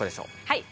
はい。